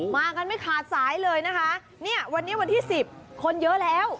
มากันไม่ขาดสายเลยนะคะเนี่ยวันนี้วันที่สิบคนเยอะแล้ว